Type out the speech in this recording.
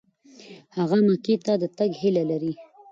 هغه مکې ته د تګ هیله لري.